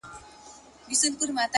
نور دي دسترگو په كتاب كي!!